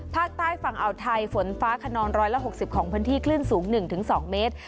ภาคใต้ฝั่งอ่าวไทยฝนฟ้าขนอง๑๖๐ของพื้นที่คลื่นสูง๑๒เมตร